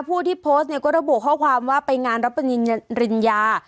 ผู้ที่โพสก์ก็โดยบูกค้าวความว่าไปงานรับประจีนระยิ่นริญญา